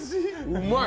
うまい！